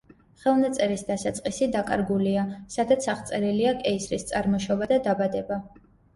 ხელნაწერის დასაწყისი დაკარგულია, სადაც აღწერილია კეისრის წარმოშობა და დაბადება.